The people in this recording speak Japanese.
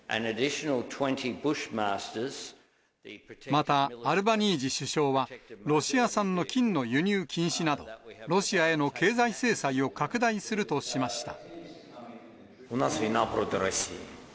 また、アルバニージ首相は、ロシア産の金の輸入禁止など、ロシアへの経済制裁を拡大するとしました。